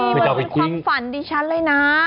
มันเป็นความฝันดิฉันเลยนะ